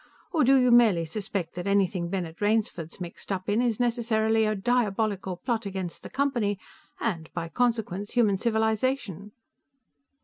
Or do you merely suspect that anything Bennett Rainsford's mixed up in is necessarily a diabolical plot against the Company and, by consequence, human civilization?"